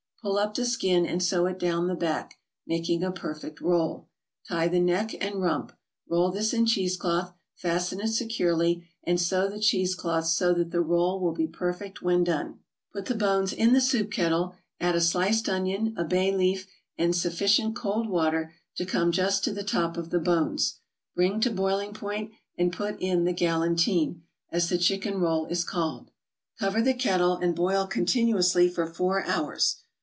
Pull up the skin and sew it down the back, making a perfect roll. Tie the neck and rump. Roll this in cheese cloth, fasten it securely, and sew the cheese cloth so that the roll will be perfect when done. Put all the bones in the soup kettle, add a sliced onion, a bay leaf, and sufficient cold water to come just to the top of the bones. Bring to boiling point, and put in the "galantine," as the chicken roll is called. Cover the kettle, and boil continuously for four hours.